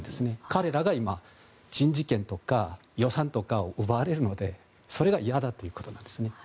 彼らが今、人事権とか予算とかを奪われるのでそれが嫌だということなんですね。